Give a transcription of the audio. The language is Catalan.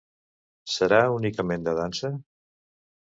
Serà únicament de dansa?